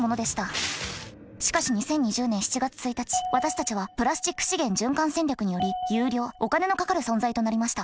しかし２０２０年７月１日私たちはプラスチック資源循環戦略により有料お金のかかる存在となりました。